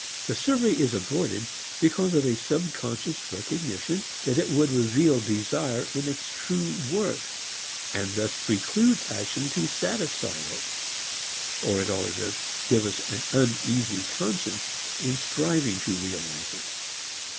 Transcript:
The survey is avoided because of a subconscious recognition that it would reveal desire in its true worth and thus preclude action to satisfy it or at all events give us an uneasy conscience in striving to realize it.